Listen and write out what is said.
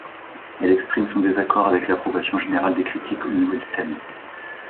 Elle exprime son désaccord avec l'approbation générale des critiques au niveau du thème.